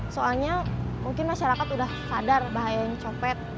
soalnya mungkin masyarakat sudah sadar bahaya nyopet